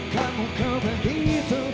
kamu kau bernih itu